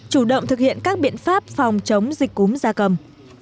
chủ động thực hiện các biện pháp phòng chống dịch cúm da cầm